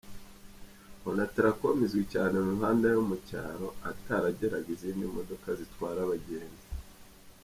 Onatracom izwi cyane mu mihanda yo mu cyaro, ahatarageraga izindi modoka zitwara abagenzi.